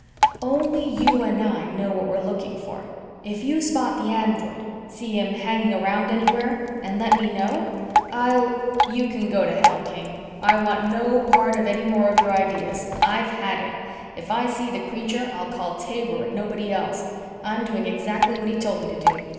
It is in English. "Only you and I know what we're looking for. If you spot the android, see him hanging around anywhere, and let me know, I'll " "You can go to hell, King. I want no part of any more of your ideas. I've had it. If I see the creature I'll call Taber and nobody else. I'm going to do exactly what he told me to do.